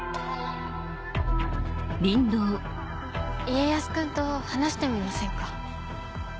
家康君と話してみませんか？